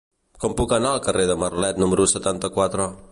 Com puc anar al carrer de Marlet número setanta-quatre?